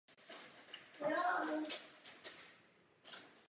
Později napsal další díla.